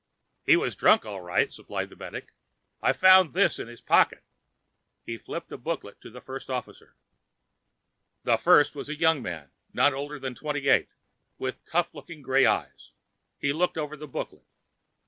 "He was drunk, all right," supplied the medic. "I found this in his pocket." He flipped a booklet to the First Officer. The First was a young man, not older than twenty eight with tough looking gray eyes. He looked over the booklet.